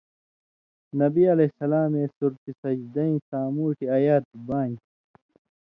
نبی علیہ السلامے سورتِ سجدَیں ساموٹھیۡ اَیاتہ بانیۡ